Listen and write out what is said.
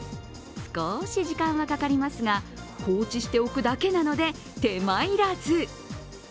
少し時間はかかりますが放置しておくだけなので手間いらず。